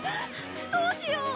どうしよう？